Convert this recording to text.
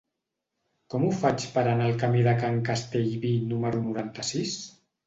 Com ho faig per anar al camí de Can Castellví número noranta-sis?